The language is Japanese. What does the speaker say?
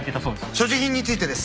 所持品についてです。